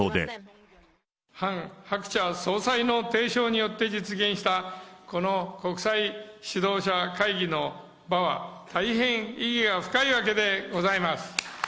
ハン・ハクチャ総裁の提唱によって実現したこの国際指導者会議の場は、大変意義が深いわけでございます。